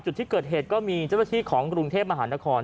จุดที่เกิดเหตุก็มีเจ้าหน้าที่ของกรุงเทพมหานคร